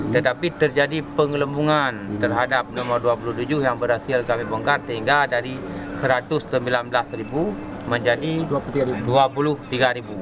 tetapi terjadi pengelembungan terhadap nomor dua puluh tujuh yang berhasil kami bongkar sehingga dari rp satu ratus sembilan belas menjadi rp dua puluh tiga